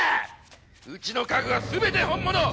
うちの家具はすべて本物！